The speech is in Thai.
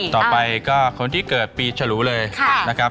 ต่อไปก็คนที่เกิดปีฉลูเลยนะครับ